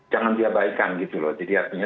jangan diabaikan gitu loh jadi artinya